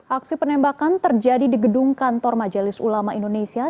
aksi penembakan terjadi di gedung kantor majelis ulama indonesia